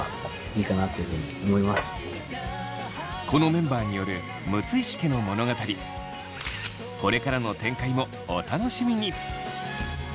このメンバーによるこれからの展開もお楽しみに！